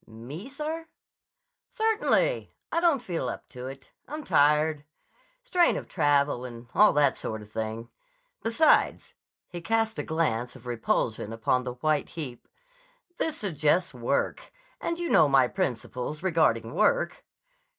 "Me, sir?" "Certainly. I don't feel up to it. I'm tired. Strain of travel and all that sort of thing. Besides"—he cast a glance of repulsion upon the white heap—"this suggests work. And you know my principles regarding work."